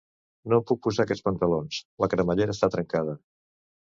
No em puc posar aquests pantalons: la cremallera està trencada